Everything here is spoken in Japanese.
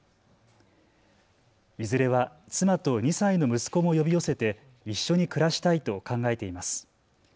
いずれは妻と２歳の息子も呼び寄せて一緒に暮らしたいと考えています。